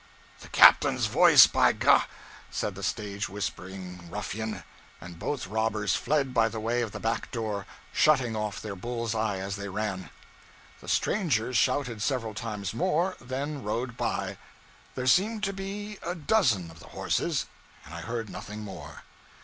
'The captain's voice, by G !' said the stage whispering ruffian, and both robbers fled by the way of the back door, shutting off their bull's eye as they ran. The strangers shouted several times more, then rode by there seemed to be a dozen of the horses and I heard nothing more.